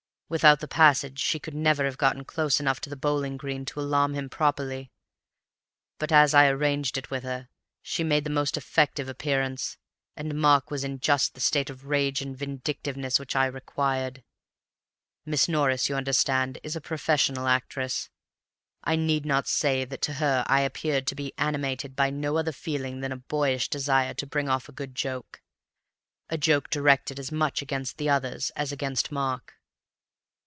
Without the passage she could never have got close enough to the bowling green to alarm him properly, but as I arranged it with her she made the most effective appearance, and Mark was in just the state of rage and vindictiveness which I required. Miss Norris, you understand, is a professional actress. I need not say that to her I appeared to be animated by no other feeling than a boyish desire to bring off a good joke—a joke directed as much against the others as against Mark.